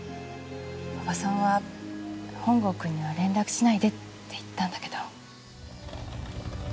おばさんは本郷くんには連絡しないでって言ったんだけど。